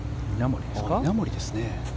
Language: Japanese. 稲森ですね。